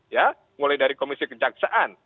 ya mulai dari komisi kejaksaan